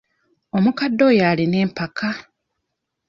Omukadde oyo alina empaka.